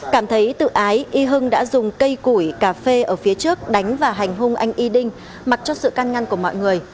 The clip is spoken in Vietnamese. cảm thấy tự ái y hưng đã dùng cây củi cà phê ở phía trước đánh và hành hung anh y đinh mặc cho sự can ngăn của mọi người